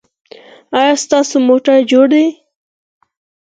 ایا ستاسو موټر جوړ دی؟